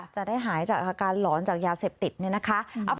จะได้หายจากอาการหลอนจากยาเสพติดเนี่ยนะคะ